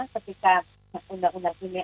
ketika undang undang ini